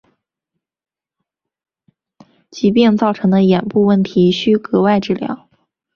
疾病造成的眼部问题需额外治疗。